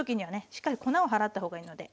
しっかり粉を払った方がいいので。